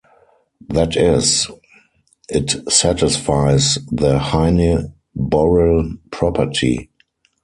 That is, it satisfies the Heine-Borel property.